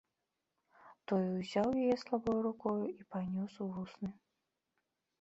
Той узяў яе слабою рукою і панёс у вусны.